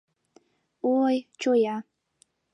— Ой, чоя...